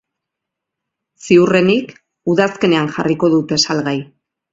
Ziurrenik, udazkenean jarriko dute salgai.